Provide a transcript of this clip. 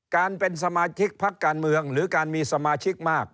การเป็นสมาชิกพักการเมืองหรือการมีสมาชิกมาก